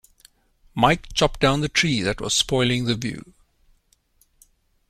Mike chopped down the tree that was spoiling the view